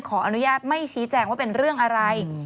ขออนุญาตไม่ชี้แจงว่าเป็นเรื่องอะไร